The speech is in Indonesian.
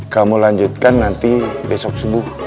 kamu lanjutkan nanti besok subuh